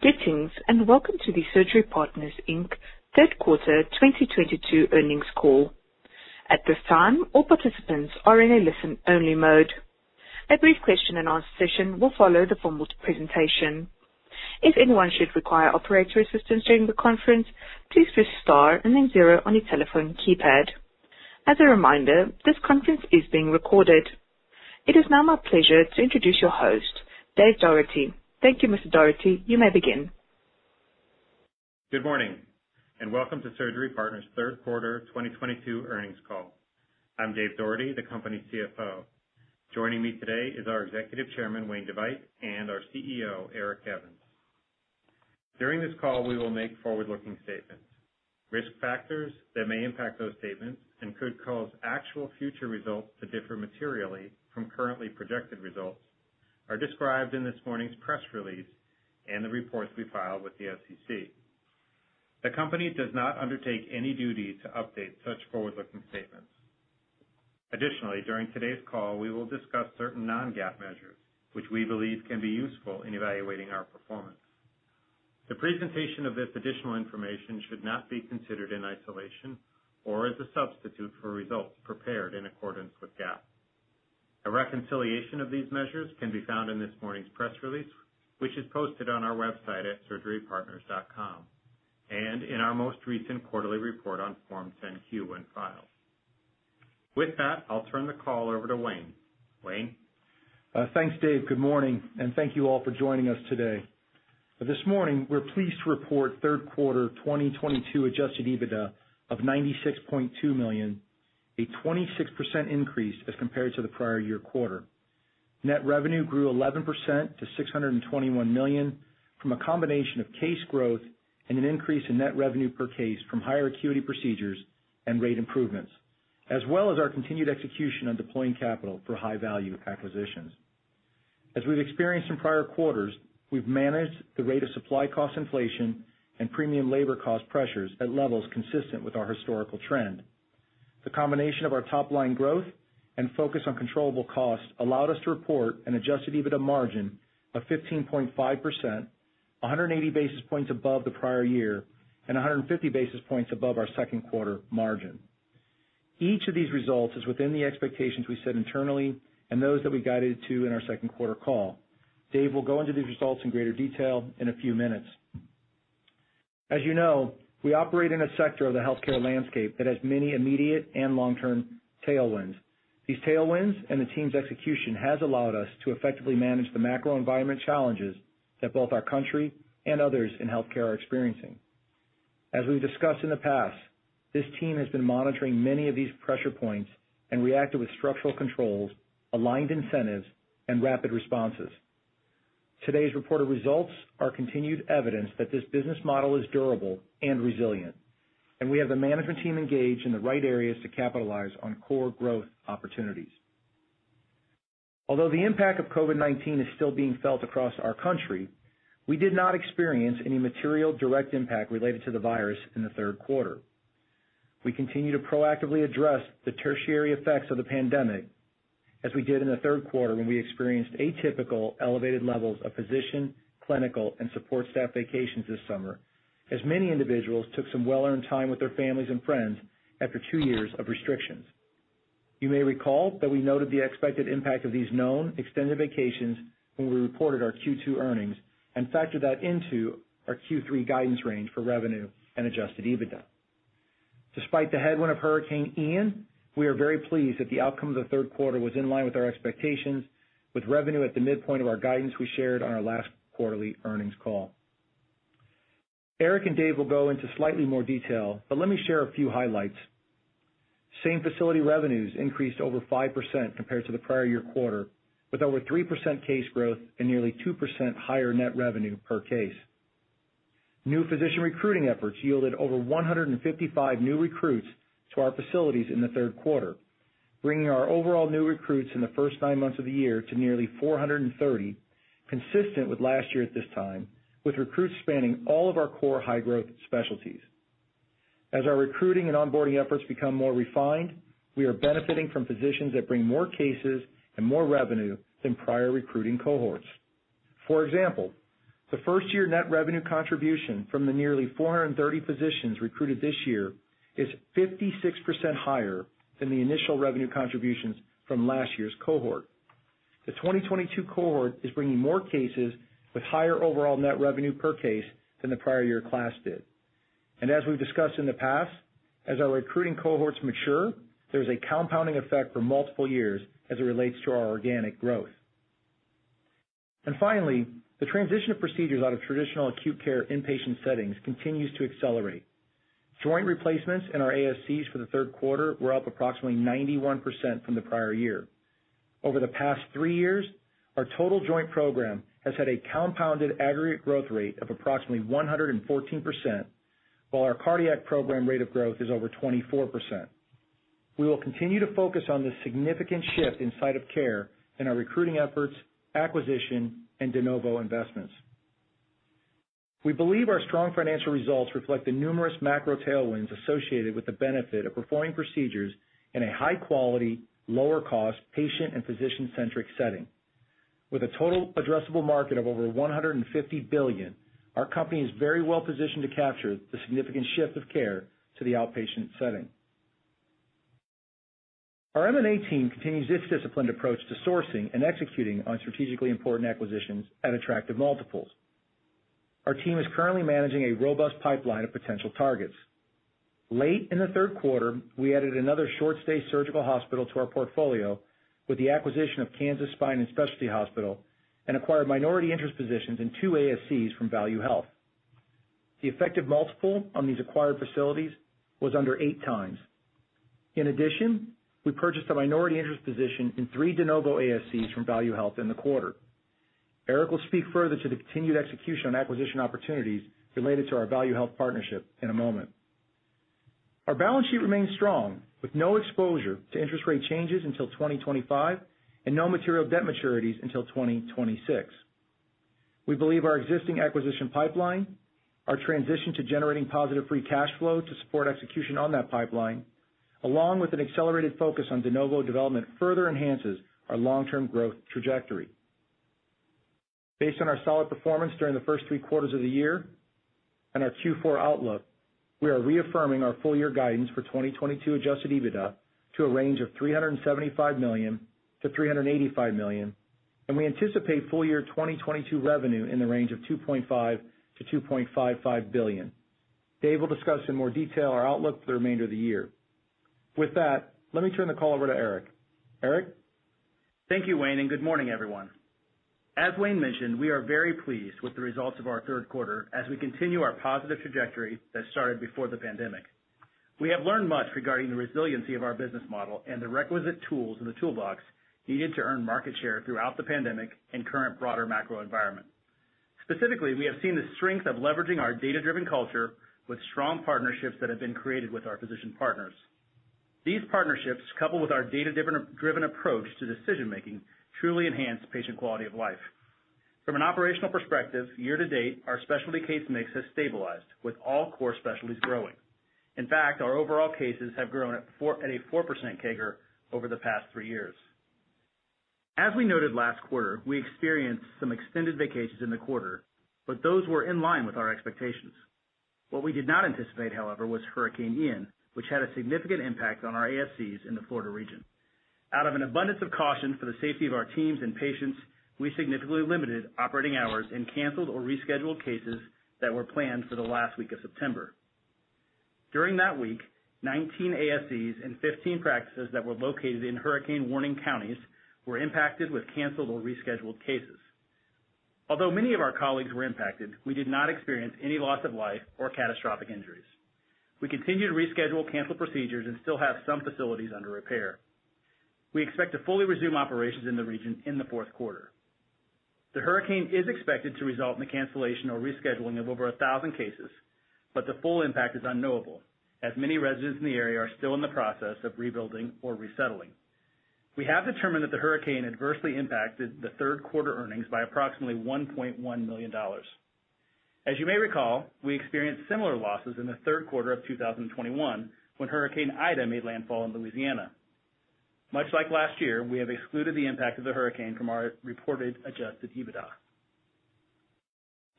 Greetings, and welcome to the Surgery Partners, Inc. third quarter 2022 earnings call. At this time, all participants are in a listen-only mode. A brief question and answer session will follow the formal presentation. If anyone should require operator assistance during the conference, please press star and then zero on your telephone keypad. As a reminder, this conference is being recorded. It is now my pleasure to introduce your host, Dave Doherty. Thank you, Mr. Doherty. You may begin. Good morning, and welcome to Surgery Partners third quarter 2022 earnings call. I'm Dave Dougherty, the company's CFO. Joining me today is our Executive Chairman, Wayne DeVeydt, and our CEO, Eric Evans. During this call, we will make forward-looking statements. Risk factors that may impact those statements and could cause actual future results to differ materially from currently projected results are described in this morning's press release and the reports we filed with the SEC. The company does not undertake any duty to update such forward-looking statements. Additionally, during today's call, we will discuss certain non-GAAP measures which we believe can be useful in evaluating our performance. The presentation of this additional information should not be considered in isolation or as a substitute for results prepared in accordance with GAAP. A reconciliation of these measures can be found in this morning's press release, which is posted on our website at surgerypartners.com and in our most recent quarterly report on Form 10-Q when filed. With that, I'll turn the call over to Wayne. Wayne? Thanks, Dave. Good morning, and thank you all for joining us today. This morning, we're pleased to report third quarter 2022 adjusted EBITDA of $96.2 million, a 26% increase as compared to the prior year quarter. Net revenue grew 11% to $621 million from a combination of case growth and an increase in net revenue per case from higher acuity procedures and rate improvements, as well as our continued execution on deploying capital for high-value acquisitions. As we've experienced in prior quarters, we've managed the rate of supply cost inflation and premium labor cost pressures at levels consistent with our historical trend. The combination of our top-line growth and focus on controllable costs allowed us to report an adjusted EBITDA margin of 15.5%, 180 basis points above the prior year, and 150 basis points above our second quarter margin. Each of these results is within the expectations we set internally and those that we guided to in our second quarter call. Dave will go into these results in greater detail in a few minutes. As you know, we operate in a sector of the healthcare landscape that has many immediate and long-term tailwinds. These tailwinds and the team's execution has allowed us to effectively manage the macro environment challenges that both our country and others in healthcare are experiencing. As we've discussed in the past, this team has been monitoring many of these pressure points and reacted with structural controls, aligned incentives, and rapid responses. Today's reported results are continued evidence that this business model is durable and resilient, and we have the management team engaged in the right areas to capitalize on core growth opportunities. Although the impact of COVID-19 is still being felt across our country, we did not experience any material direct impact related to the virus in the third quarter. We continue to proactively address the tertiary effects of the pandemic, as we did in the third quarter when we experienced atypical elevated levels of physician, clinical, and support staff vacations this summer, as many individuals took some well-earned time with their families and friends after two years of restrictions. You may recall that we noted the expected impact of these known extended vacations when we reported our Q2 earnings and factored that into our Q3 guidance range for revenue and adjusted EBITDA. Despite the headwind of Hurricane Ian, we are very pleased that the outcome of the third quarter was in line with our expectations, with revenue at the midpoint of our guidance we shared on our last quarterly earnings call. Eric and Dave will go into slightly more detail, but let me share a few highlights. Same-facility revenues increased over 5% compared to the prior year quarter, with over 3% case growth and nearly 2% higher net revenue per case. New physician recruiting efforts yielded over 155 new recruits to our facilities in the third quarter, bringing our overall new recruits in the first nine months of the year to nearly 430, consistent with last year at this time, with recruits spanning all of our core high-growth specialties. As our recruiting and onboarding efforts become more refined, we are benefiting from physicians that bring more cases and more revenue than prior recruiting cohorts. For example, the first-year net revenue contribution from the nearly 430 physicians recruited this year is 56% higher than the initial revenue contributions from last year's cohort. The 2022 cohort is bringing more cases with higher overall net revenue per case than the prior year class did. As we've discussed in the past, as our recruiting cohorts mature, there's a compounding effect for multiple years as it relates to our organic growth. Finally, the transition of procedures out of traditional acute care inpatient settings continues to accelerate. Joint replacements in our ASCs for the third quarter were up approximately 91% from the prior year. Over the past three years, our total joint program has had a compounded aggregate growth rate of approximately 114%, while our cardiac program rate of growth is over 24%. We will continue to focus on this significant shift in site of care in our recruiting efforts, acquisition, and de novo investments. We believe our strong financial results reflect the numerous macro tailwinds associated with the benefit of performing procedures in a high quality, lower cost, patient and physician-centric setting. With a total addressable market of over $150 billion, our company is very well positioned to capture the significant shift of care to the outpatient setting. Our M&A team continues its disciplined approach to sourcing and executing on strategically important acquisitions at attractive multiples. Our team is currently managing a robust pipeline of potential targets. Late in the third quarter, we added another short stay surgical hospital to our portfolio with the acquisition of Kansas Spine & Specialty Hospital, and acquired minority interest positions in 2 ASCs from Value Health. The effective multiple on these acquired facilities was under 8x. In addition, we purchased a minority interest position in 3 de novo ASCs from Value Health in the quarter. Eric will speak further to the continued execution on acquisition opportunities related to our Value Health partnership in a moment. Our balance sheet remains strong, with no exposure to interest rate changes until 2025 and no material debt maturities until 2026. We believe our existing acquisition pipeline, our transition to generating positive free cash flow to support execution on that pipeline, along with an accelerated focus on de novo development, further enhances our long-term growth trajectory. Based on our solid performance during the first three quarters of the year and our Q4 outlook, we are reaffirming our full year guidance for 2022 adjusted EBITDA to a range of $375 million-$385 million, and we anticipate full year 2022 revenue in the range of $2.5 billion-$2.55 billion. Dave will discuss in more detail our outlook for the remainder of the year. With that, let me turn the call over to Eric. Eric? Thank you, Wayne, and good morning, everyone. As Wayne mentioned, we are very pleased with the results of our third quarter as we continue our positive trajectory that started before the pandemic. We have learned much regarding the resiliency of our business model and the requisite tools in the toolbox needed to earn market share throughout the pandemic and current broader macro environment. Specifically, we have seen the strength of leveraging our data-driven culture with strong partnerships that have been created with our physician partners. These partnerships, coupled with our data-driven approach to decision making, truly enhance patient quality of life. From an operational perspective, year to date, our specialty case mix has stabilized with all core specialties growing. In fact, our overall cases have grown at a 4% CAGR over the past three years. As we noted last quarter, we experienced some extended vacations in the quarter, but those were in line with our expectations. What we did not anticipate, however, was Hurricane Ian, which had a significant impact on our ASCs in the Florida region. Out of an abundance of caution for the safety of our teams and patients, we significantly limited operating hours and canceled or rescheduled cases that were planned for the last week of September. During that week, 19 ASCs and 15 practices that were located in hurricane warning counties were impacted with canceled or rescheduled cases. Although many of our colleagues were impacted, we did not experience any loss of life or catastrophic injuries. We continue to reschedule canceled procedures and still have some facilities under repair. We expect to fully resume operations in the region in the fourth quarter. The hurricane is expected to result in the cancellation or rescheduling of over 1,000 cases, but the full impact is unknowable, as many residents in the area are still in the process of rebuilding or resettling. We have determined that the hurricane adversely impacted the third quarter earnings by approximately $1.1 million. As you may recall, we experienced similar losses in the third quarter of 2021 when Hurricane Ida made landfall in Louisiana. Much like last year, we have excluded the impact of the hurricane from our reported adjusted EBITDA.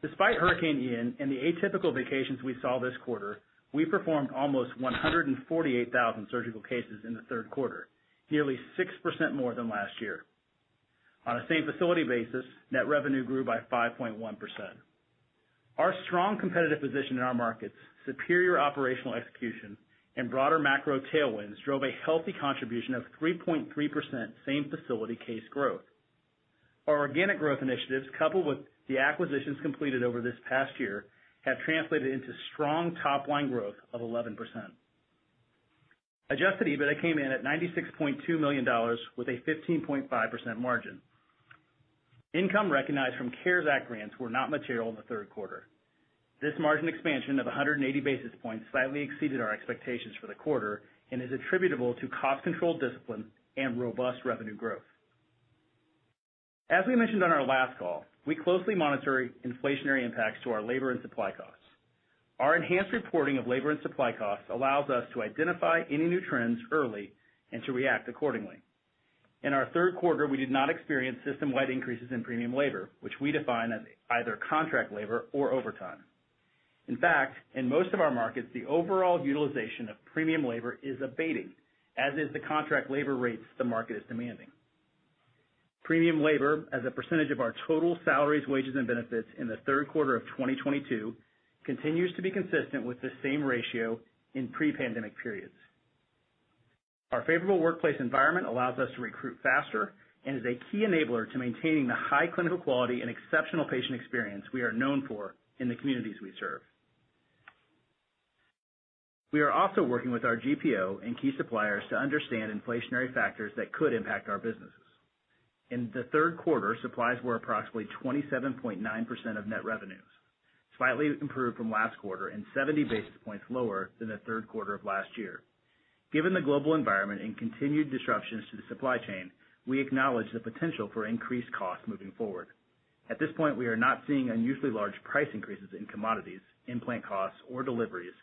Despite Hurricane Ian and the atypical vacations we saw this quarter, we performed almost 148,000 surgical cases in the third quarter, nearly 6% more than last year. On a same facility basis, net revenue grew by 5.1%. Our strong competitive position in our markets, superior operational execution, and broader macro tailwinds drove a healthy contribution of 3.3% same facility case growth. Our organic growth initiatives, coupled with the acquisitions completed over this past year, have translated into strong top line growth of 11%. Adjusted EBITDA came in at $96.2 million with a 15.5% margin. Income recognized from CARES Act grants were not material in the third quarter. This margin expansion of 180 basis points slightly exceeded our expectations for the quarter and is attributable to cost control discipline and robust revenue growth. As we mentioned on our last call, we closely monitor inflationary impacts to our labor and supply costs. Our enhanced reporting of labor and supply costs allows us to identify any new trends early and to react accordingly. In our third quarter, we did not experience system-wide increases in premium labor, which we define as either contract labor or overtime. In fact, in most of our markets, the overall utilization of premium labor is abating, as is the contract labor rates the market is demanding. Premium labor as a percentage of our total salaries, wages, and benefits in the third quarter of 2022 continues to be consistent with the same ratio in pre-pandemic periods. Our favorable workplace environment allows us to recruit faster and is a key enabler to maintaining the high clinical quality and exceptional patient experience we are known for in the communities we serve. We are also working with our GPO and key suppliers to understand inflationary factors that could impact our businesses. In the third quarter, supplies were approximately 27.9% of net revenues, slightly improved from last quarter and 70 basis points lower than the third quarter of last year. Given the global environment and continued disruptions to the supply chain, we acknowledge the potential for increased costs moving forward. At this point, we are not seeing unusually large price increases in commodities, implant costs, or deliveries,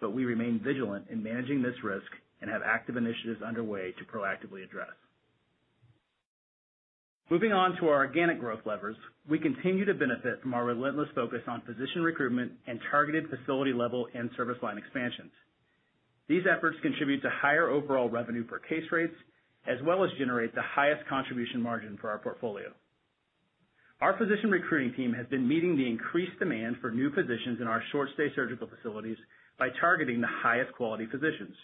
but we remain vigilant in managing this risk and have active initiatives underway to proactively address. Moving on to our organic growth levers. We continue to benefit from our relentless focus on physician recruitment and targeted facility level and service line expansions. These efforts contribute to higher overall revenue per case rates, as well as generate the highest contribution margin for our portfolio. Our physician recruiting team has been meeting the increased demand for new physicians in our short stay surgical facilities by targeting the highest quality physicians.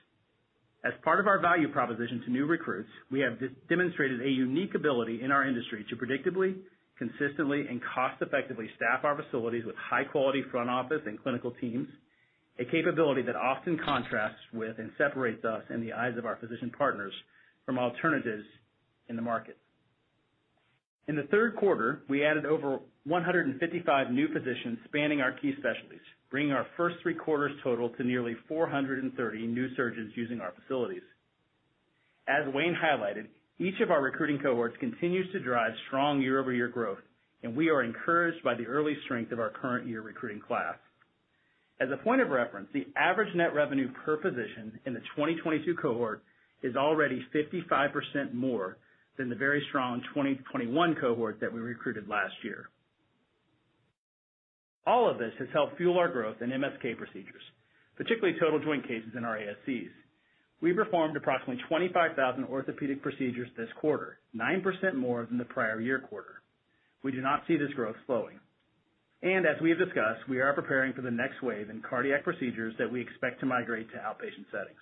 As part of our value proposition to new recruits, we have demonstrated a unique ability in our industry to predictably, consistently, and cost effectively staff our facilities with high-quality front office and clinical teams, a capability that often contrasts with and separates us in the eyes of our physician partners from alternatives in the market. In the third quarter, we added over 155 new physicians spanning our key specialties, bringing our first three quarters total to nearly 430 new surgeons using our facilities. As Wayne highlighted, each of our recruiting cohorts continues to drive strong year-over-year growth, and we are encouraged by the early strength of our current year recruiting class. As a point of reference, the average net revenue per physician in the 2022 cohort is already 55% more than the very strong 2021 cohort that we recruited last year. All of this has helped fuel our growth in MSK procedures, particularly total joint cases in our ASCs. We performed approximately 25,000 orthopedic procedures this quarter, 9% more than the prior year quarter. We do not see this growth slowing. As we have discussed, we are preparing for the next wave in cardiac procedures that we expect to migrate to outpatient settings.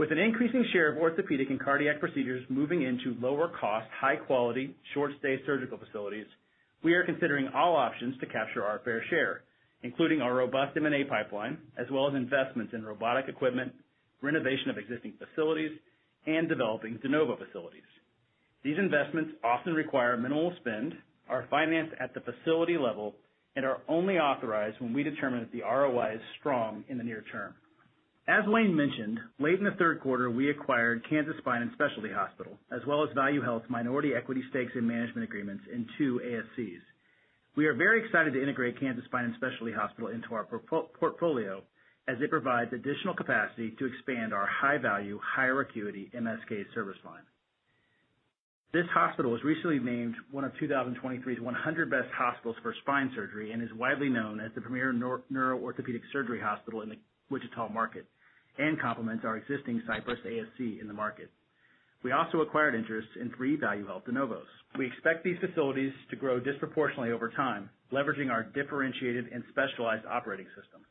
With an increasing share of orthopedic and cardiac procedures moving into lower cost, high quality, short stay surgical facilities, we are considering all options to capture our fair share, including our robust M&A pipeline, as well as investments in robotic equipment, renovation of existing facilities, and developing de novo facilities. These investments often require minimal spend, are financed at the facility level, and are only authorized when we determine that the ROI is strong in the near term. As Wayne mentioned, late in the third quarter, we acquired Kansas Spine & Specialty Hospital, as well as Value Health's minority equity stakes and management agreements in 2 ASCs. We are very excited to integrate Kansas Spine & Specialty Hospital into our portfolio as it provides additional capacity to expand our high value, higher acuity MSK service line. This hospital was recently named one of 2023's 100 best hospitals for spine surgery and is widely known as the premier neuroorthopedic surgery hospital in the Wichita market and complements our existing Cypress ASC in the market. We also acquired interest in 3 Value Health de novos. We expect these facilities to grow disproportionately over time, leveraging our differentiated and specialized operating system.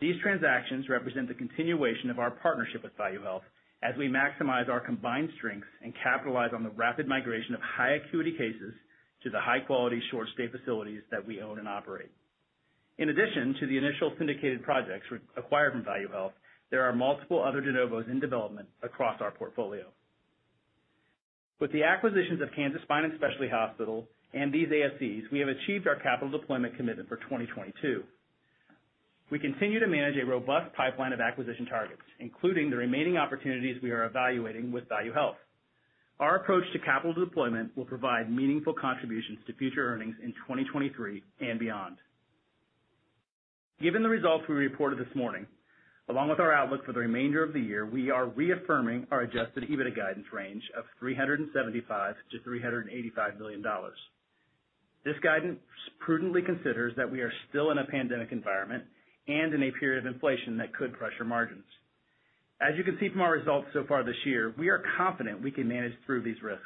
These transactions represent the continuation of our partnership with Value Health as we maximize our combined strengths and capitalize on the rapid migration of high acuity cases to the high-quality, short-stay facilities that we own and operate. In addition to the initial syndicated projects acquired from Value Health, there are multiple other de novos in development across our portfolio. With the acquisitions of Kansas Spine & Specialty Hospital and these ASCs, we have achieved our capital deployment commitment for 2022. We continue to manage a robust pipeline of acquisition targets, including the remaining opportunities we are evaluating with Value Health. Our approach to capital deployment will provide meaningful contributions to future earnings in 2023 and beyond. Given the results we reported this morning, along with our outlook for the remainder of the year, we are reaffirming our adjusted EBITDA guidance range of $375 million-$385 million. This guidance prudently considers that we are still in a pandemic environment and in a period of inflation that could pressure margins. As you can see from our results so far this year, we are confident we can manage through these risks.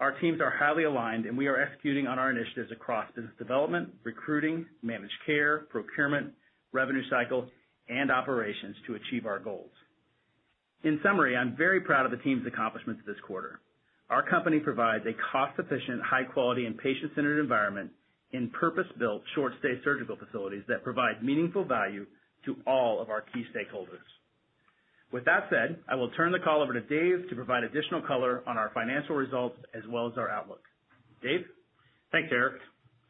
Our teams are highly aligned, and we are executing on our initiatives across business development, recruiting, managed care, procurement, revenue cycle, and operations to achieve our goals. In summary, I'm very proud of the team's accomplishments this quarter. Our company provides a cost-efficient, high quality, and patient-centered environment in purpose-built, short-stay surgical facilities that provide meaningful value to all of our key stakeholders. With that said, I will turn the call over to Dave to provide additional color on our financial results as well as our outlook. Dave? Thanks, Eric.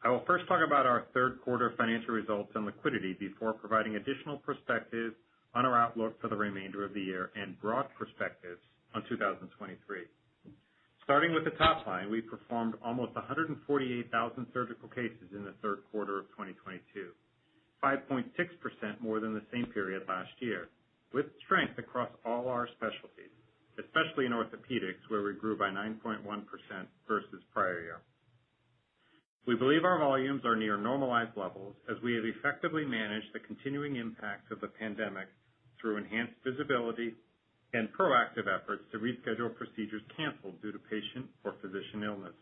I will first talk about our third quarter financial results and liquidity before providing additional perspective on our outlook for the remainder of the year and broad perspectives on 2023. Starting with the top line, we performed almost 148,000 surgical cases in the third quarter of 2022, 5.6% more than the same period last year, with strength across all our specialties, especially in orthopedics, where we grew by 9.1% versus prior year. We believe our volumes are near normalized levels as we have effectively managed the continuing impact of the pandemic through enhanced visibility and proactive efforts to reschedule procedures canceled due to patient or physician illness.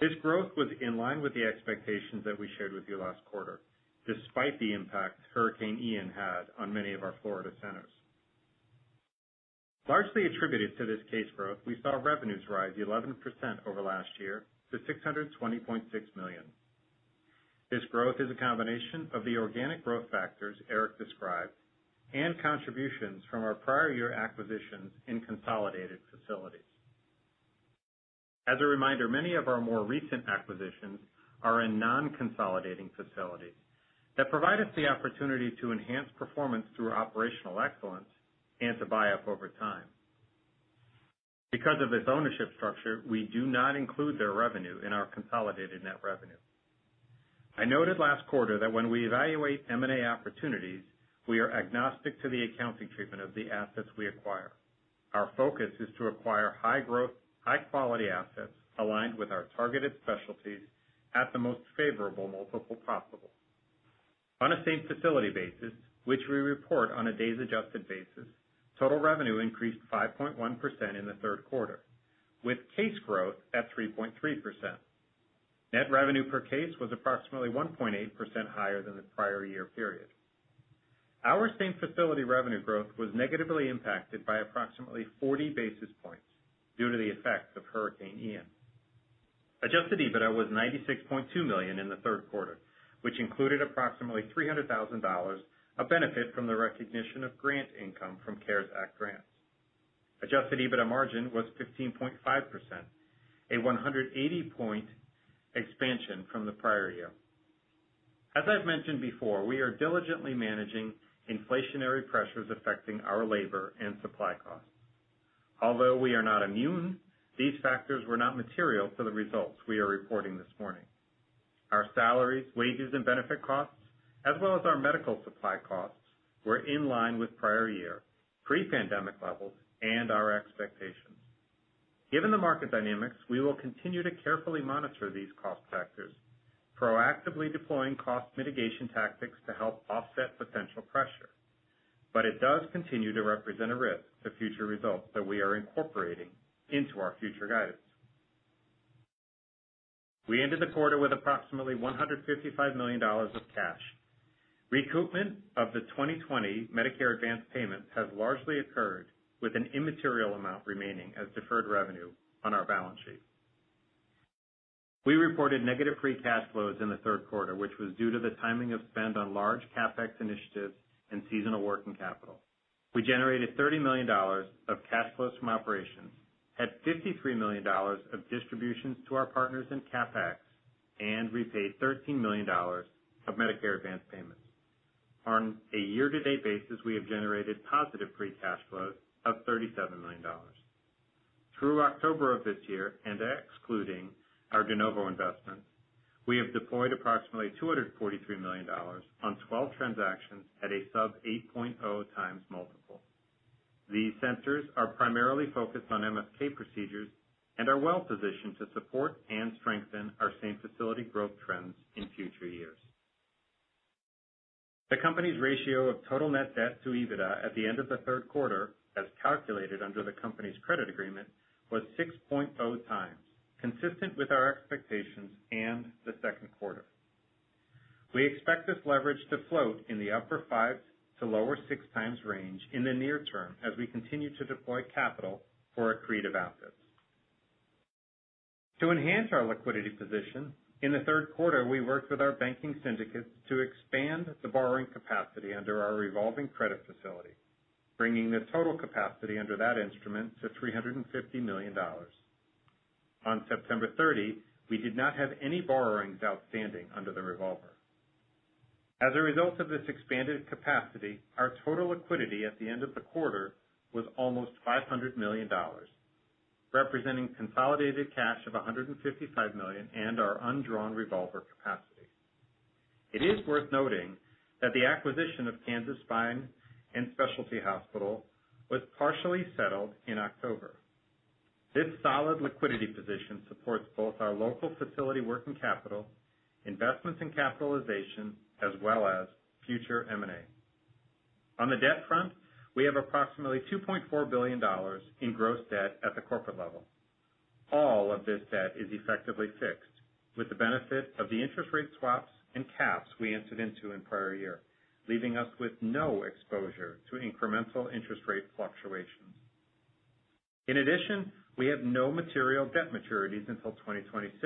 This growth was in line with the expectations that we shared with you last quarter, despite the impact Hurricane Ian had on many of our Florida centers. Largely attributed to this case growth, we saw revenues rise 11% over last year to $620.6 million. This growth is a combination of the organic growth factors Eric described and contributions from our prior year acquisitions in consolidated facilities. As a reminder, many of our more recent acquisitions are in non-consolidating facilities that provide us the opportunity to enhance performance through operational excellence and to buy up over time. Because of this ownership structure, we do not include their revenue in our consolidated net revenue. I noted last quarter that when we evaluate M&A opportunities, we are agnostic to the accounting treatment of the assets we acquire. Our focus is to acquire high growth, high quality assets aligned with our targeted specialties at the most favorable multiple possible. On a same facility basis, which we report on a days adjusted basis, total revenue increased 5.1% in the third quarter, with case growth at 3.3%. Net revenue per case was approximately 1.8% higher than the prior year period. Our same facility revenue growth was negatively impacted by approximately 40 basis points due to the effects of Hurricane Ian. Adjusted EBITDA was $96.2 million in the third quarter, which included approximately $300,000 of benefit from the recognition of grant income from CARES Act grants. Adjusted EBITDA margin was 15.5%, a 180-point expansion from the prior year. As I've mentioned before, we are diligently managing inflationary pressures affecting our labor and supply costs. Although we are not immune, these factors were not material to the results we are reporting this morning. Our salaries, wages, and benefit costs, as well as our medical supply costs, were in line with prior year pre-pandemic levels and our expectations. Given the market dynamics, we will continue to carefully monitor these cost factors, proactively deploying cost mitigation tactics to help offset potential pressure. It does continue to represent a risk to future results that we are incorporating into our future guidance. We ended the quarter with approximately $155 million of cash. Recoupment of the 2020 Medicare advanced payments has largely occurred with an immaterial amount remaining as deferred revenue on our balance sheet. We reported negative free cash flows in the third quarter, which was due to the timing of spend on large CapEx initiatives and seasonal working capital. We generated $30 million of cash flows from operations, had $53 million of distributions to our partners in CapEx, and repaid $13 million of Medicare advanced payments. On a year-to-date basis, we have generated positive free cash flow of $37 million. Through October of this year and excluding our de novo investments, we have deployed approximately $243 million on 12 transactions at a sub-8.0x multiple. These centers are primarily focused on MSK procedures and are well positioned to support and strengthen our same facility growth trends in future years. The company's ratio of total net debt to EBITDA at the end of the third quarter, as calculated under the company's credit agreement, was 6.0x, consistent with our expectations and the second quarter. We expect this leverage to float in the upper 5s to lower 6s times range in the near term as we continue to deploy capital for accretive assets. To enhance our liquidity position, in the third quarter, we worked with our banking syndicates to expand the borrowing capacity under our revolving credit facility, bringing the total capacity under that instrument to $350 million. On September 30, we did not have any borrowings outstanding under the revolver. As a result of this expanded capacity, our total liquidity at the end of the quarter was almost $500 million, representing consolidated cash of $155 million and our undrawn revolver capacity. It is worth noting that the acquisition of Kansas Spine & Specialty Hospital was partially settled in October. This solid liquidity position supports both our local facility working capital, investments in capitalization, as well as future M&A. On the debt front, we have approximately $2.4 billion in gross debt at the corporate level. All of this debt is effectively fixed, with the benefit of the interest rate swaps and caps we entered into in prior year, leaving us with no exposure to incremental interest rate fluctuations. In addition, we have no material debt maturities until 2026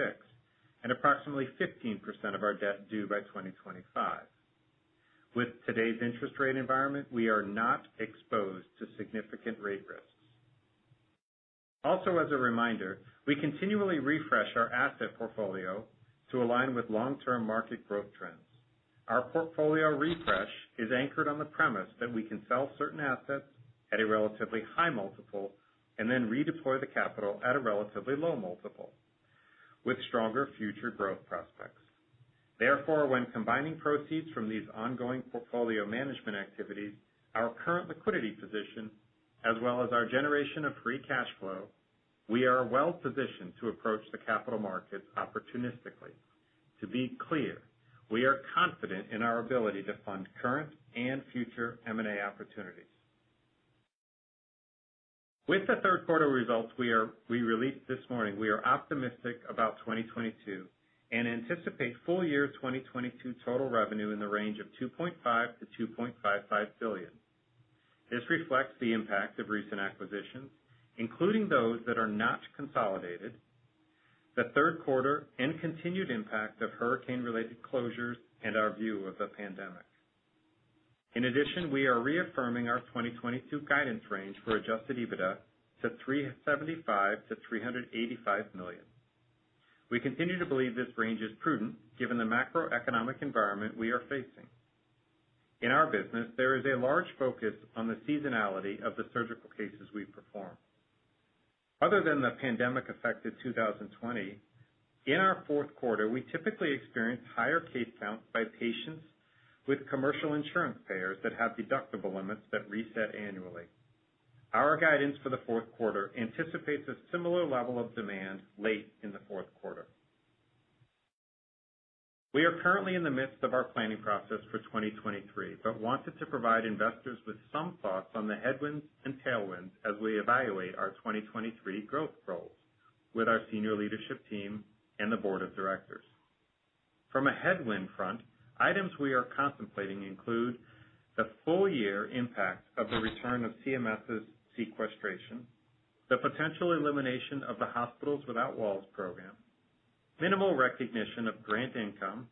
and approximately 15% of our debt due by 2025. With today's interest rate environment, we are not exposed to significant rate risks. Also, as a reminder, we continually refresh our asset portfolio to align with long-term market growth trends. Our portfolio refresh is anchored on the premise that we can sell certain assets at a relatively high multiple and then redeploy the capital at a relatively low multiple with stronger future growth prospects. Therefore, when combining proceeds from these ongoing portfolio management activities, our current liquidity position, as well as our generation of free cash flow, we are well positioned to approach the capital markets opportunistically. To be clear, we are confident in our ability to fund current and future M&A opportunities. With the third quarter results we released this morning, we are optimistic about 2022 and anticipate full year 2022 total revenue in the range of $2.5 billion-$2.55 billion. This reflects the impact of recent acquisitions, including those that are not consolidated, the third quarter and continued impact of hurricane-related closures, and our view of the pandemic. In addition, we are reaffirming our 2022 guidance range for adjusted EBITDA to $375 million-$385 million. We continue to believe this range is prudent given the macroeconomic environment we are facing. In our business, there is a large focus on the seasonality of the surgical cases we perform. Other than the pandemic effect of 2020, in our fourth quarter, we typically experience higher case counts by patients with commercial insurance payers that have deductible limits that reset annually. Our guidance for the fourth quarter anticipates a similar level of demand late in the fourth quarter. We are currently in the midst of our planning process for 2023, but wanted to provide investors with some thoughts on the headwinds and tailwinds as we evaluate our 2023 growth goals with our senior leadership team and the board of directors. From a headwind front, items we are contemplating include the full year impact of the return of CMS's sequestration, the potential elimination of the Hospitals Without Walls program, minimal recognition of grant income,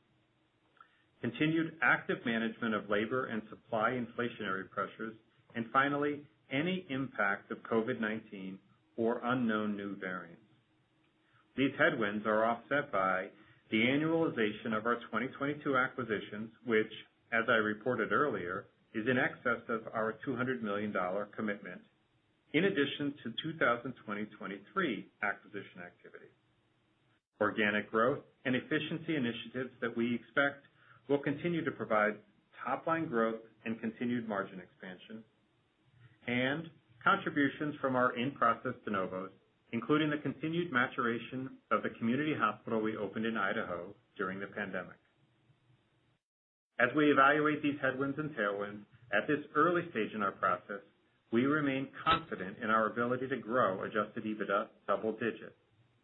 continued active management of labor and supply inflationary pressures, and finally, any impact of COVID-19 or unknown new variants. These headwinds are offset by the annualization of our 2022 acquisitions, which, as I reported earlier, is in excess of our $200 million commitment, in addition to 2023 acquisition activity. Organic growth and efficiency initiatives that we expect will continue to provide top line growth and continued margin expansion and contributions from our in-process de novos, including the continued maturation of the community hospital we opened in Idaho during the pandemic. As we evaluate these headwinds and tailwinds at this early stage in our process, we remain confident in our ability to grow adjusted EBITDA double digits,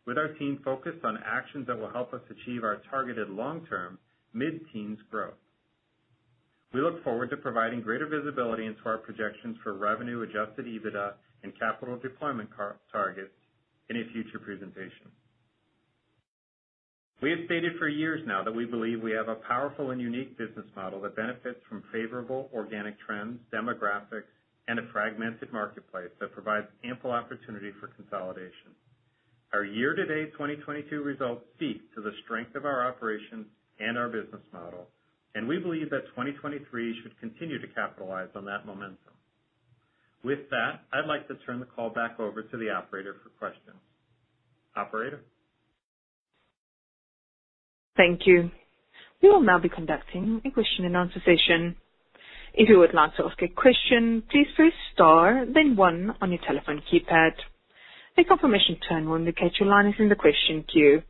with our team focused on actions that will help us achieve our targeted long-term mid-teens growth. We look forward to providing greater visibility into our projections for revenue, adjusted EBITDA, and capital deployment targets in a future presentation. We have stated for years now that we believe we have a powerful and unique business model that benefits from favorable organic trends, demographics, and a fragmented marketplace that provides ample opportunity for consolidation. Our year-to-date 2022 results speak to the strength of our operations and our business model, and we believe that 2023 should continue to capitalize on that momentum. With that, I'd like to turn the call back over to the operator for questions. Operator? Thank you. We will now be conducting a question and answer session. If you would like to ask a question, please press star then one on your telephone keypad. A confirmation tone will indicate your line is in the question queue.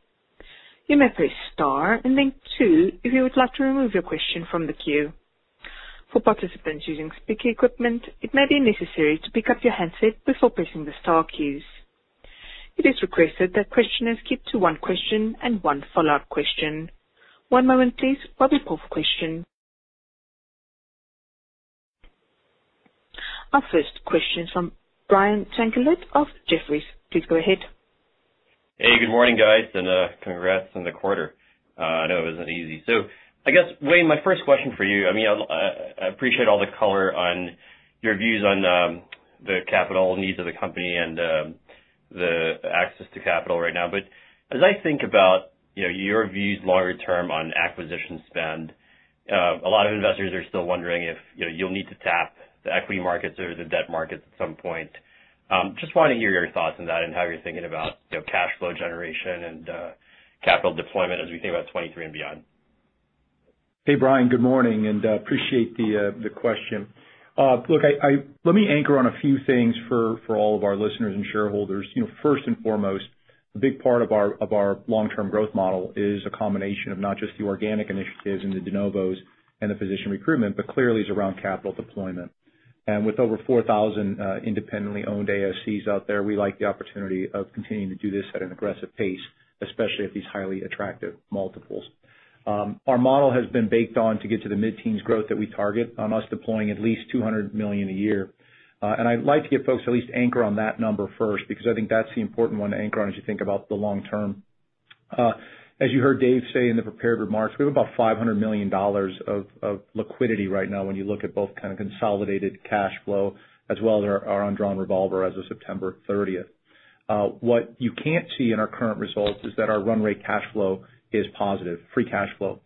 You may press star and then two if you would like to remove your question from the queue. For participants using speaker equipment, it may be necessary to pick up your handset before pressing the star keys. It is requested that questioners keep to one question and one follow-up question. One moment please while we pull up a question. Our first question from Brian Tanquilut of Jefferies. Please go ahead. Hey, good morning, guys, and congrats on the quarter. I know it wasn't easy. I guess, Wayne, my first question for you. I mean, I appreciate all the color on your views on the capital needs of the company and the access to capital right now. But as I think about, you know, your views longer term on acquisition spend, a lot of investors are still wondering if, you know, you'll need to tap the equity markets or the debt markets at some point. Just wanna hear your thoughts on that and how you're thinking about, you know, cash flow generation and capital deployment as we think about 2023 and beyond. Hey, Brian, good morning, and appreciate the question. Look, let me anchor on a few things for all of our listeners and shareholders. You know, first and foremost, a big part of our long-term growth model is a combination of not just the organic initiatives and the de novos and the physician recruitment, but clearly is around capital deployment. With over 4,000 independently owned ASCs out there, we like the opportunity of continuing to do this at an aggressive pace, especially at these highly attractive multiples. Our model has been based on to get to the mid-teens growth that we target on us deploying at least $200 million a year. I'd like to get folks to at least anchor on that number first because I think that's the important one to anchor on as you think about the long term. As you heard Dave say in the prepared remarks, we have about $500 million of liquidity right now when you look at both kind of consolidated cash flow as well as our undrawn revolver as of September 30th. What you can't see in our current results is that our run rate cash flow is positive, free cash flow.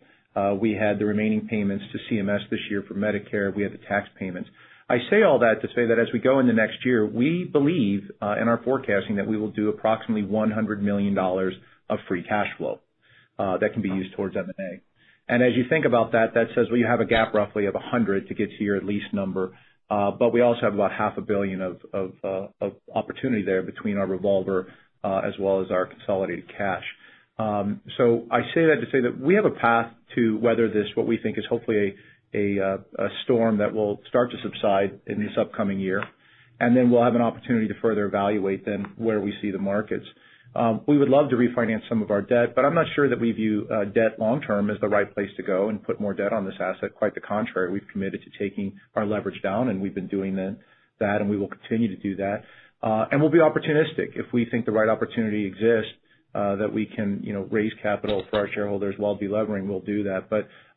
We had the remaining payments to CMS this year for Medicare. We have the tax payments. I say all that to say that as we go in the next year, we believe in our forecasting that we will do approximately $100 million of free cash flow that can be used towards M&A. As you think about that says we have a gap roughly of $100 million to get to your at least number, but we also have about $ half a billion of opportunity there between our revolver as well as our consolidated cash. I say that to say that we have a path to weather this, what we think is hopefully a storm that will start to subside in this upcoming year. Then we'll have an opportunity to further evaluate then where we see the markets. We would love to refinance some of our debt, but I'm not sure that we view debt long term as the right place to go and put more debt on this asset. Quite the contrary, we've committed to taking our leverage down and we've been doing that, and we will continue to do that. We'll be opportunistic. If we think the right opportunity exists, that we can, you know, raise capital for our shareholders while de-levering, we'll do that.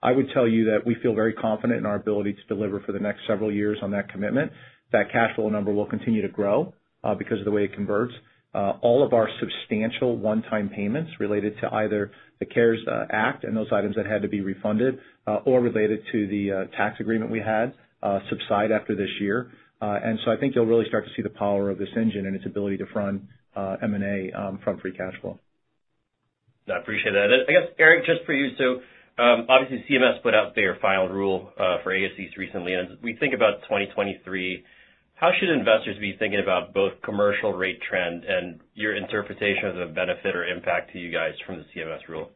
I would tell you that we feel very confident in our ability to deliver for the next several years on that commitment. That cash flow number will continue to grow, because of the way it converts. All of our substantial one-time payments related to either the CARES Act and those items that had to be refunded, or related to the tax agreement we had, subside after this year. I think you'll really start to see the power of this engine and its ability to fund M&A from free cash flow. No, I appreciate that. I guess, Eric, just for you. Obviously CMS put out their final rule for ASCs recently, and as we think about 2023, how should investors be thinking about both commercial rate trends and your interpretation of the benefit or impact to you guys from the CMS rule?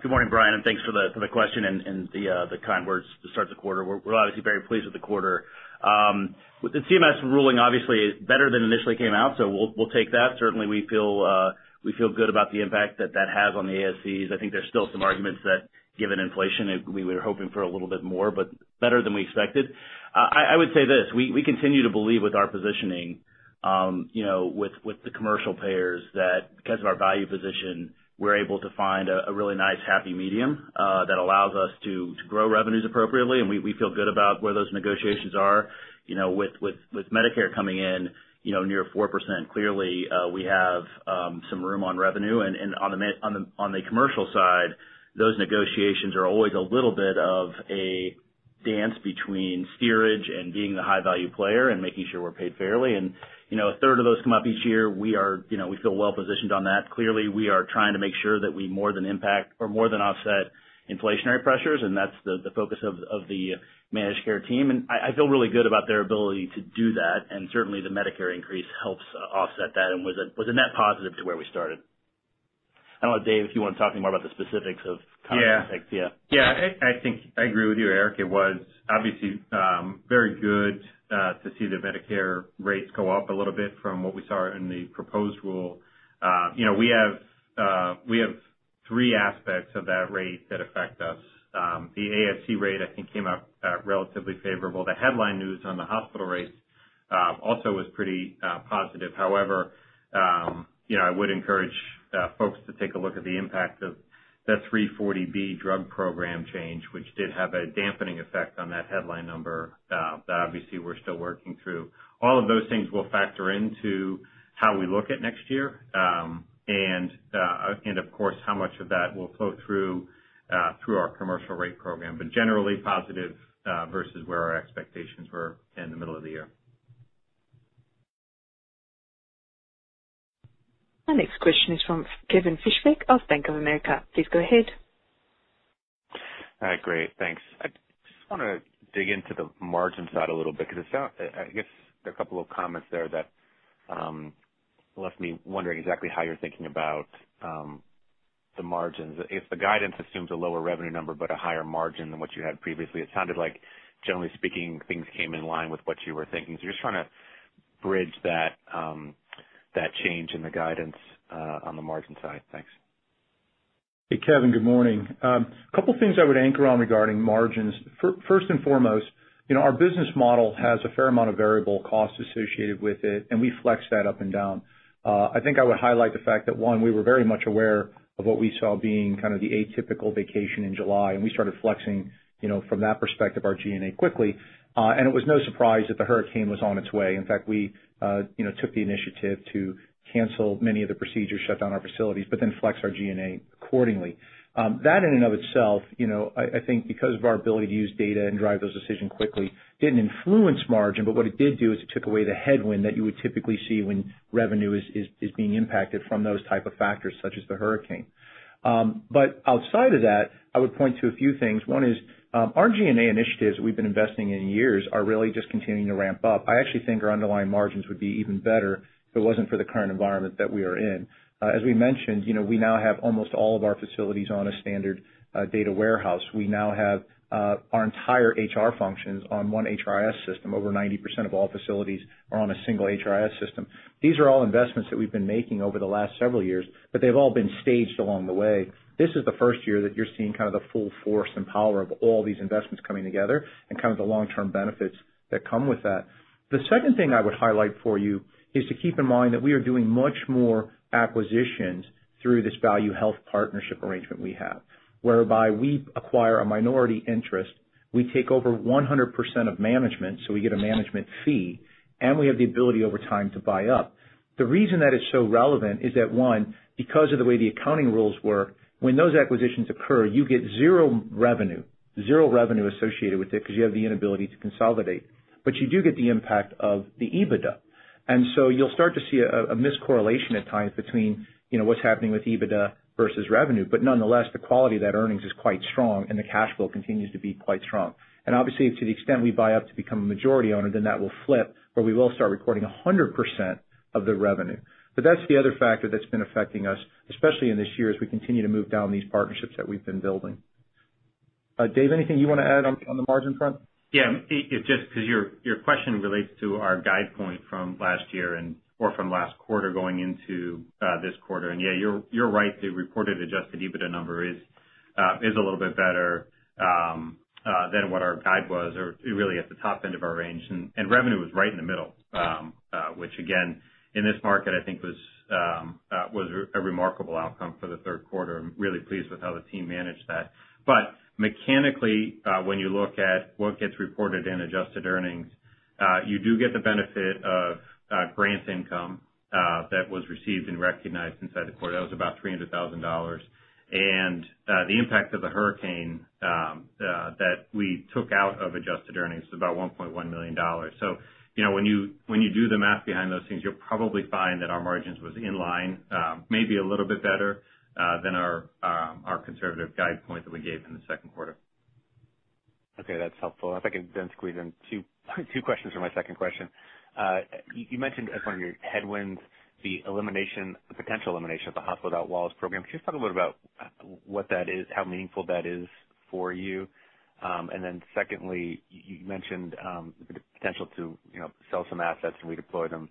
Good morning, Brian, and thanks for the question and the kind words to start the quarter. We're obviously very pleased with the quarter. With the CMS ruling, obviously better than initially came out, so we'll take that. Certainly, we feel good about the impact that has on the ASCs. I think there's still some arguments that given inflation, we were hoping for a little bit more, but better than we expected. I would say this, we continue to believe with our positioning, you know, with the commercial payers that because of our value position, we're able to find a really nice, happy medium that allows us to grow revenues appropriately, and we feel good about where those negotiations are. You know, with Medicare coming in, you know, near 4%, clearly, we have some room on revenue. On the commercial side, those negotiations are always a little bit of a dance between steerage and being the high value player and making sure we're paid fairly. You know, a third of those come up each year. You know, we feel well positioned on that. Clearly, we are trying to make sure that we more than offset inflationary pressures, and that's the focus of the managed care team. I feel really good about their ability to do that, and certainly the Medicare increase helps offset that and was a net positive to where we started. I don't know, Dave, if you wanna talk any more about the specifics of comp impact. Yeah. Yeah. Yeah. I think I agree with you, Eric. It was obviously very good to see the Medicare rates go up a little bit from what we saw in the proposed rule. You know, we have three aspects of that rate that affect us. The ASC rate, I think, came up relatively favorable. The headline news on the hospital rates also was pretty positive. However, you know, I would encourage folks to take a look at the impact of the 340B drug program change, which did have a dampening effect on that headline number that obviously we're still working through. All of those things will factor into how we look at next year. And of course, how much of that will flow through our commercial rate program. Generally positive, versus where our expectations were in the middle of the year. Our next question is from Kevin Fischbeck of Bank of America. Please go ahead. Great. Thanks. I just wanna dig into the margin side a little bit because it sounds, I guess there are a couple of comments there that left me wondering exactly how you're thinking about the margins. If the guidance assumes a lower revenue number, but a higher margin than what you had previously, it sounded like, generally speaking, things came in line with what you were thinking. Just trying to bridge that change in the guidance on the margin side. Thanks. Hey, Kevin, good morning. A couple things I would anchor on regarding margins. First and foremost, you know, our business model has a fair amount of variable costs associated with it, and we flex that up and down. I think I would highlight the fact that, one, we were very much aware of what we saw being kind of the atypical vacation in July, and we started flexing, you know, from that perspective, our G&A quickly. It was no surprise that the hurricane was on its way. In fact, we, you know, took the initiative to cancel many of the procedures, shut down our facilities, but then flex our G&A accordingly. That in and of itself, you know, I think because of our ability to use data and drive those decisions quickly, didn't influence margin, but what it did do is it took away the headwind that you would typically see when revenue is being impacted from those type of factors, such as the hurricane. Outside of that, I would point to a few things. One is, our G&A initiatives that we've been investing for years are really just continuing to ramp up. I actually think our underlying margins would be even better if it wasn't for the current environment that we are in. As we mentioned, you know, we now have almost all of our facilities on a standard data warehouse. We now have our entire HR functions on one HRIS system. Over 90% of all facilities are on a single HRIS system. These are all investments that we've been making over the last several years, but they've all been staged along the way. This is the first year that you're seeing kind of the full force and power of all these investments coming together and kind of the long-term benefits that come with that. The second thing I would highlight for you is to keep in mind that we are doing much more acquisitions through this Value Health partnership arrangement we have, whereby we acquire a minority interest, we take over 100% of management, so we get a management fee, and we have the ability over time to buy up. The reason that is so relevant is that, one, because of the way the accounting rules work, when those acquisitions occur, you get zero revenue associated with it because you have the inability to consolidate. You do get the impact of the EBITDA. You'll start to see a miscorrelation at times between, you know, what's happening with EBITDA versus revenue. Nonetheless, the quality of that earnings is quite strong and the cash flow continues to be quite strong. Obviously, to the extent we buy up to become a majority owner, then that will flip, where we will start recording 100% of the revenue. That's the other factor that's been affecting us, especially in this year, as we continue to move down these partnerships that we've been building. Dave, anything you wanna add on the margin front? Yeah. It just 'cause your question relates to our guide point from last year or from last quarter going into this quarter. Yeah, you're right, the reported adjusted EBITDA number is a little bit better than what our guide was or really at the top end of our range. Revenue was right in the middle, which again, in this market, I think was a remarkable outcome for the third quarter. I'm really pleased with how the team managed that. Mechanically, when you look at what gets reported in adjusted earning You do get the benefit of grant income that was received and recognized inside the quarter. That was about $300 thousand. The impact of the hurricane that we took out of adjusted earnings is about $1.1 million. You know, when you do the math behind those things, you'll probably find that our margins was in line, maybe a little bit better, than our conservative guide point that we gave in the second quarter. Okay, that's helpful. If I can then squeeze in two questions for my second question. You mentioned as one of your headwinds the elimination, the potential elimination of the Hospitals Without Walls program. Can you just talk a little bit about what that is, how meaningful that is for you? Then secondly, you mentioned the potential to, you know, sell some assets and redeploy them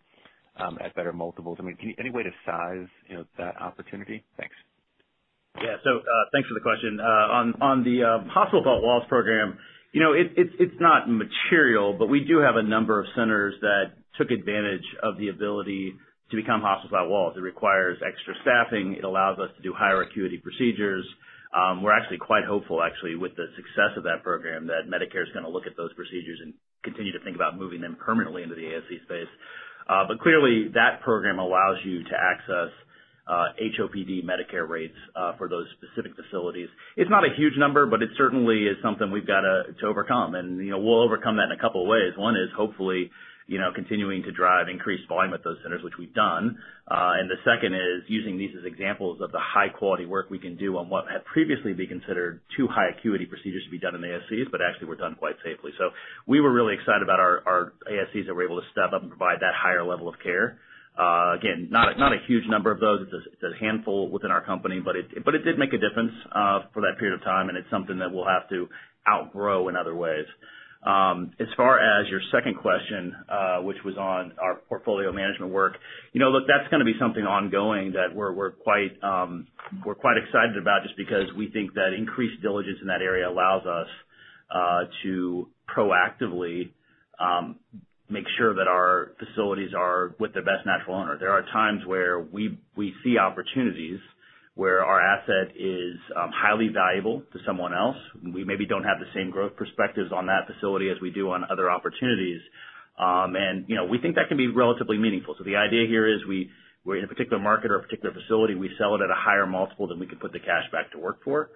at better multiples. I mean, any way to size, you know, that opportunity? Thanks. Yeah. Thanks for the question. On the Hospitals Without Walls program, you know, it's not material, but we do have a number of centers that took advantage of the ability to become Hospitals Without Walls. It requires extra staffing. It allows us to do higher acuity procedures. We're actually quite hopeful, actually, with the success of that program, that Medicare is gonna look at those procedures and continue to think about moving them permanently into the ASC space. But clearly, that program allows you to access HOPD Medicare rates for those specific facilities. It's not a huge number, but it certainly is something we've got to overcome. You know, we'll overcome that in a couple of ways. One is hopefully, you know, continuing to drive increased volume at those centers, which we've done. The second is using these as examples of the high quality work we can do on what had previously been considered too high acuity procedures to be done in ASCs, but actually were done quite safely. We were really excited about our ASCs that were able to step up and provide that higher level of care. Again, not a huge number of those. It's a handful within our company, but it did make a difference for that period of time, and it's something that we'll have to outgrow in other ways. As far as your second question, which was on our portfolio management work, you know, look, that's gonna be something ongoing that we're quite excited about, just because we think that increased diligence in that area allows us to proactively make sure that our facilities are with their best natural owner. There are times where we see opportunities where our asset is highly valuable to someone else. We maybe don't have the same growth perspectives on that facility as we do on other opportunities. You know, we think that can be relatively meaningful. The idea here is we're in a particular market or a particular facility. We sell it at a higher multiple than we could put the cash back to work for.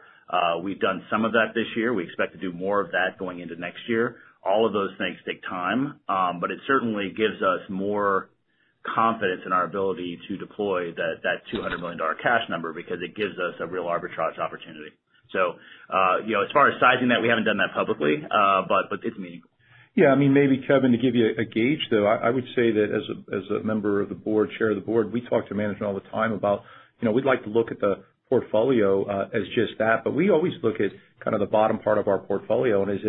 We've done some of that this year. We expect to do more of that going into next year. All of those things take time, but it certainly gives us more confidence in our ability to deploy that $200 million cash number because it gives us a real arbitrage opportunity. You know, as far as sizing that, we haven't done that publicly, but it's meaningful. Yeah. I mean, maybe Kevin, to give you a gauge, though, I would say that as a member of the board, chair of the board, we talk to management all the time about, you know, we'd like to look at the portfolio, as just that, but we always look at kind of the bottom part of our portfolio. Is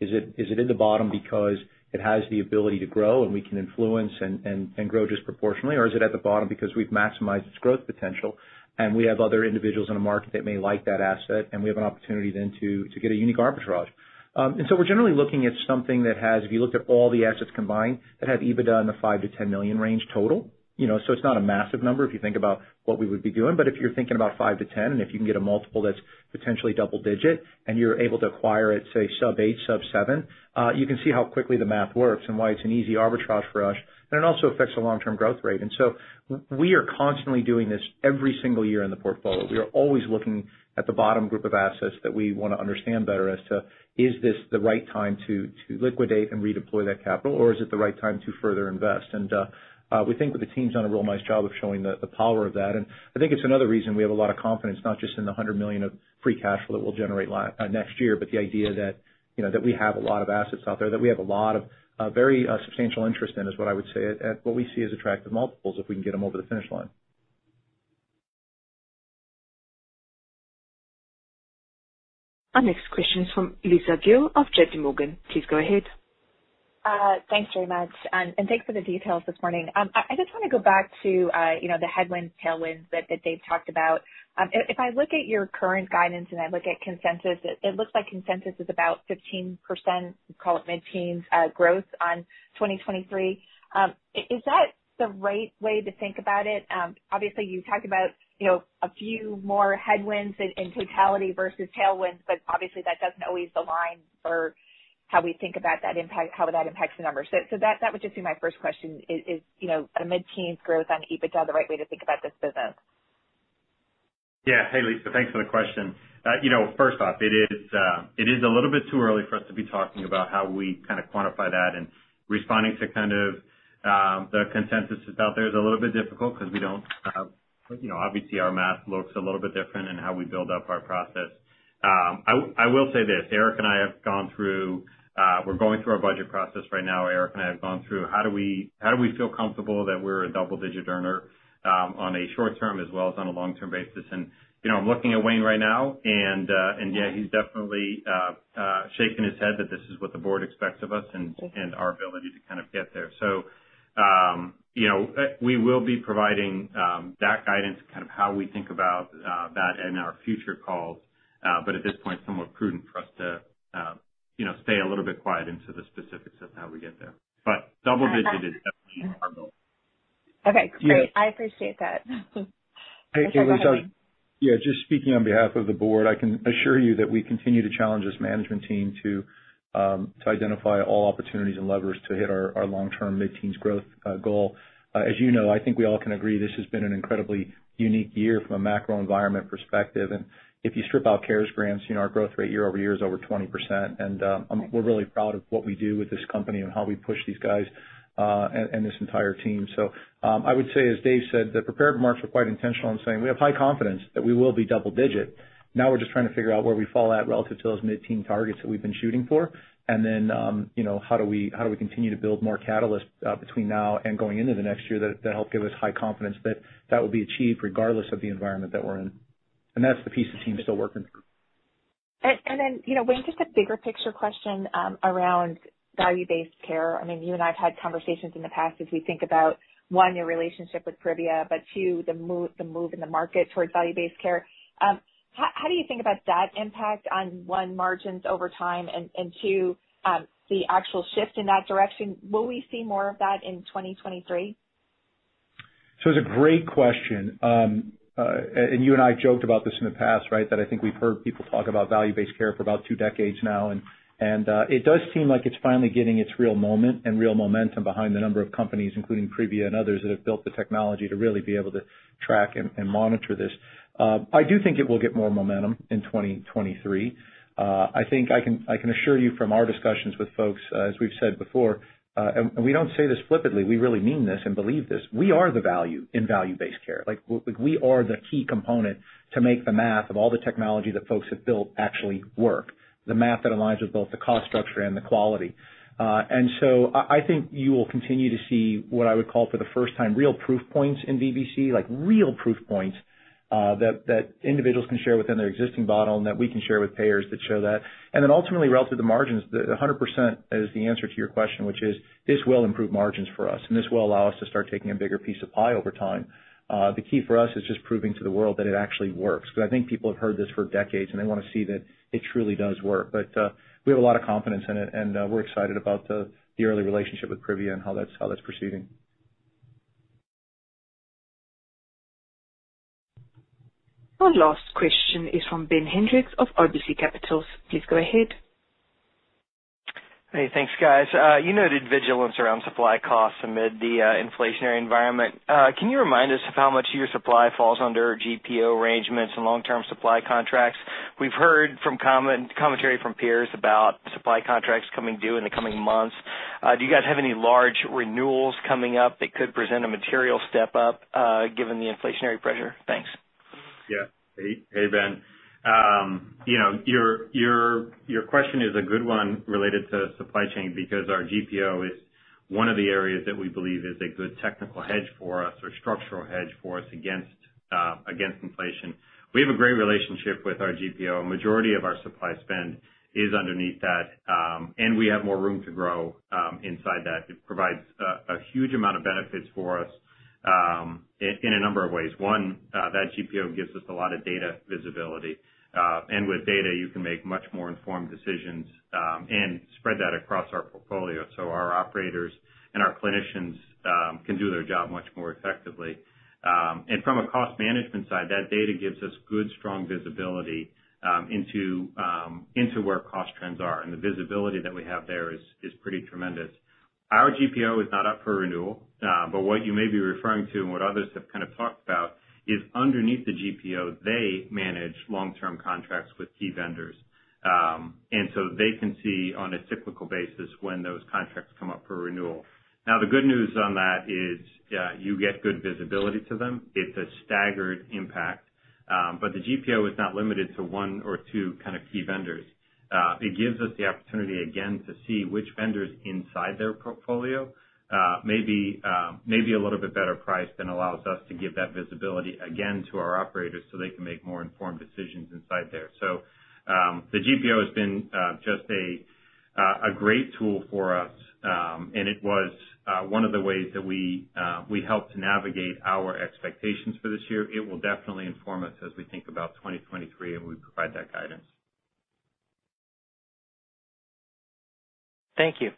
it in the bottom because it has the ability to grow and we can influence and grow disproportionately, or is it at the bottom because we've maximized its growth potential and we have other individuals in the market that may like that asset, and we have an opportunity then to get a unique arbitrage? We're generally looking at something that has, if you looked at all the assets combined, that have EBITDA in the $5-$10 million range total. You know, it's not a massive number if you think about what we would be doing. If you're thinking about $5-$10, and if you can get a multiple that's potentially double digit and you're able to acquire it, say sub eight, sub seven, you can see how quickly the math works and why it's an easy arbitrage for us, and it also affects the long-term growth rate. We are constantly doing this every single year in the portfolio. We are always looking at the bottom group of assets that we wanna understand better as to, is this the right time to liquidate and redeploy that capital, or is it the right time to further invest? We think that the team's done a real nice job of showing the power of that. I think it's another reason we have a lot of confidence, not just in the $100 million of free cash flow that we'll generate next year, but the idea that, you know, that we have a lot of assets out there, that we have a lot of very substantial interest in, is what I would say, at what we see as attractive multiples if we can get them over the finish line. Our next question is from Lisa Gill of JPMorgan. Please go ahead. Thanks very much. Thanks for the details this morning. I just wanna go back to, you know, the headwinds, tailwinds that Dave talked about. If I look at your current guidance and I look at consensus, it looks like consensus is about 15%, call it mid-teens, growth on 2023. Is that the right way to think about it? Obviously you talked about, you know, a few more headwinds in totality versus tailwinds, but obviously that doesn't always align for how we think about that impact, how that impacts the numbers. That would just be my first question, is, you know, a mid-teens growth on EBITDA the right way to think about this business? Yeah. Hey, Lisa, thanks for the question. You know, first off, it is a little bit too early for us to be talking about how we kinda quantify that and responding to kind of the consensus that's out there is a little bit difficult because we don't have. You know, obviously our math looks a little bit different in how we build up our process. I will say this. Eric and I have gone through. We're going through our budget process right now. Eric and I have gone through how do we feel comfortable that we're a double-digit earner on a short-term as well as on a long-term basis. You know, I'm looking at Wayne right now and yeah, he's definitely shaking his head that this is what the board expects of us and our ability to kind of get there. You know, we will be providing that guidance, kind of how we think about that in our future calls, but at this point, it's somewhat prudent for us to, you know, stay a little bit quiet into the specifics of how we get there. Double digit is definitely our goal. Okay, great. I appreciate that. Hey, Kailey. Yeah, just speaking on behalf of the board, I can assure you that we continue to challenge this management team to identify all opportunities and levers to hit our long-term mid-teens growth goal. As you know, I think we all can agree this has been an incredibly unique year from a macro environment perspective. If you strip out CARES grants, you know, our growth rate year-over-year is over 20%. We're really proud of what we do with this company and how we push these guys and this entire team. I would say, as Dave said, the prepared remarks were quite intentional in saying we have high confidence that we will be double digit. Now we're just trying to figure out where we fall at relative to those mid-teen targets that we've been shooting for. You know, how do we continue to build more catalyst, between now and going into the next year that help give us high confidence that that will be achieved regardless of the environment that we're in. That's the piece the team is still working through. Then, you know, Wayne, just a bigger picture question around value-based care. I mean, you and I have had conversations in the past as we think about, one, your relationship with Privia, but two, the move in the market towards value-based care. How do you think about that impact on, one, margins over time and two, the actual shift in that direction? Will we see more of that in 2023? It's a great question. You and I joked about this in the past, right? That I think we've heard people talk about value-based care for about two decades now. It does seem like it's finally getting its real moment and real momentum behind the number of companies, including Privia and others, that have built the technology to really be able to track and monitor this. I do think it will get more momentum in 2023. I think I can assure you from our discussions with folks, as we've said before, we don't say this flippantly, we really mean this and believe this, we are the value in value-based care. We are the key component to make the math of all the technology that folks have built actually work. The math that aligns with both the cost structure and the quality. I think you will continue to see what I would call for the first time, real proof points in VBC, like real proof points, that individuals can share within their existing model and that we can share with payers that show that. Ultimately relative to margins, the 100% is the answer to your question, which is this will improve margins for us, and this will allow us to start taking a bigger piece of pie over time. The key for us is just proving to the world that it actually works, because I think people have heard this for decades, and they wanna see that it truly does work. We have a lot of confidence in it, and we're excited about the early relationship with Privia and how that's proceeding. Our last question is from Ben Hendrix of RBC Capital Markets. Please go ahead. Hey, thanks, guys. You noted vigilance around supply costs amid the inflationary environment. Can you remind us of how much your supply falls under GPO arrangements and long-term supply contracts? We've heard from commentary from peers about supply contracts coming due in the coming months. Do you guys have any large renewals coming up that could present a material step up given the inflationary pressure? Thanks. Yeah. Hey, Ben. You know, your question is a good one related to supply chain because our GPO is one of the areas that we believe is a good technical hedge for us or structural hedge for us against inflation. We have a great relationship with our GPO. Majority of our supply spend is underneath that, and we have more room to grow inside that. It provides a huge amount of benefits for us in a number of ways. One, that GPO gives us a lot of data visibility. And with data you can make much more informed decisions and spread that across our portfolio. Our operators and our clinicians can do their job much more effectively. From a cost management side, that data gives us good, strong visibility into where cost trends are, and the visibility that we have there is pretty tremendous. Our GPO is not up for renewal, but what you may be referring to and what others have kind of talked about is underneath the GPO, they manage long-term contracts with key vendors. They can see on a cyclical basis when those contracts come up for renewal. Now, the good news on that is you get good visibility to them. It's a staggered impact. The GPO is not limited to one or two kinda key vendors. It gives us the opportunity again to see which vendors inside their portfolio may be a little bit better priced and allows us to give that visibility again to our operators so they can make more informed decisions inside there. The GPO has been just a great tool for us, and it was one of the ways that we helped navigate our expectations for this year. It will definitely inform us as we think about 2023 and we provide that guidance. Thank you.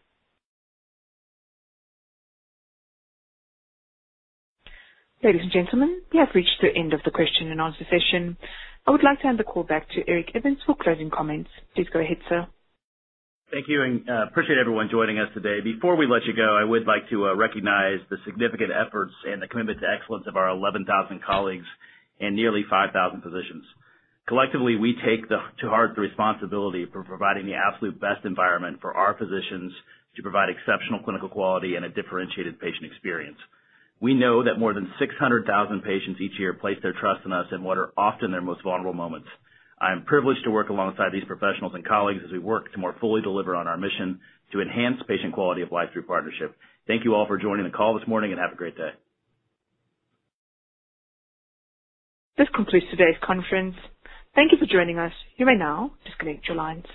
Ladies and gentlemen, we have reached the end of the question and answer session. I would like to hand the call back to Eric Evans for closing comments. Please go ahead, sir. Thank you, and appreciate everyone joining us today. Before we let you go, I would like to recognize the significant efforts and the commitment to excellence of our 11,000 colleagues and nearly 5,000 physicians. Collectively, we take to heart the responsibility for providing the absolute best environment for our physicians to provide exceptional clinical quality and a differentiated patient experience. We know that more than 600,000 patients each year place their trust in us in what are often their most vulnerable moments. I am privileged to work alongside these professionals and colleagues as we work to more fully deliver on our mission to enhance patient quality of life through partnership. Thank you all for joining the call this morning, and have a great day. This concludes today's conference. Thank you for joining us. You may now disconnect your lines.